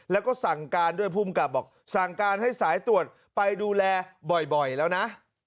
แล้วก็สั่งการด้วยภูมิกับบอกสั่งการให้สายตรวจไปดูแลบ่อยแล้วนะ